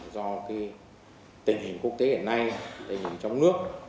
do tình hình quốc tế hiện nay tình hình trong nước